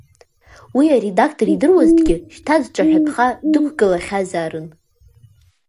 Уи аредактор идыруазҭгьы, шьҭа дҿаҳәатәха дықәгылахьазаарын.